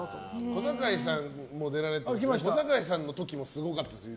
小堺さんも出られてて小堺さんの時もすごかったですよね